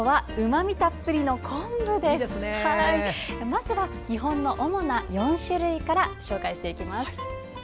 まずは日本の主な４種類から紹介していきます。